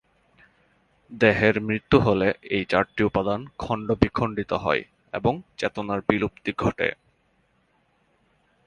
দেহের মৃত্যু হলে এই চারটি উপাদান খন্ড-বিখন্ডিত হয় এবং চেতনার বিলুপ্তি ঘটে।